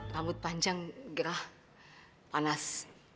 rambut panjang gerah panas